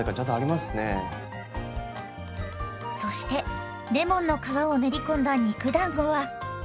そしてレモンの皮を練り込んだ肉だんごは？